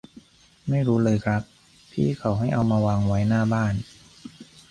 ไม่รู้เลยครับ พี่เขาให้เอามาวางไว้หน้าบ้าน